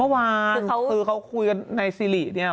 เมื่อวานคือเขาคุยกันในซิริเนี่ย